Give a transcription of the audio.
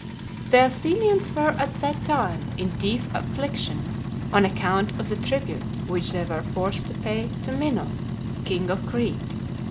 The Athenians were at that time in deep affliction, on account of the tribute which they were forced to pay to Minos, king of Crete.